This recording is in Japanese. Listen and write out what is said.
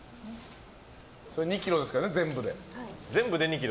２ｋｇですからね、全部で。